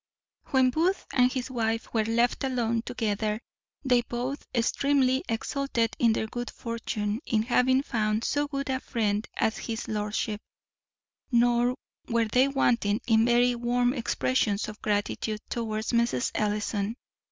_ When Booth and his wife were left alone together they both extremely exulted in their good fortune in having found so good a friend as his lordship; nor were they wanting in very warm expressions of gratitude towards Mrs. Ellison.